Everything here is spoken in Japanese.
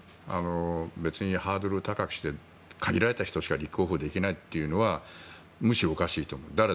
別にハードルを高くして限られた人しか立候補できないのはむしろおかしいと思う。